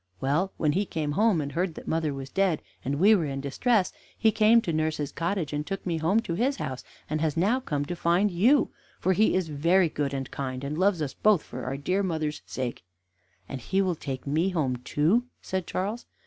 Well, when he came home, and heard that mother was dead, and we were in distress, he came to nurse's cottage, and took me home to his house, and has now come to find you, for he is very good and kind, and loves us both for our dear mother's sake." "And will he take me home too?" said Charles.